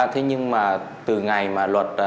thế nhưng mà từ ngày mà luật